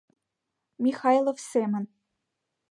Михайлов семын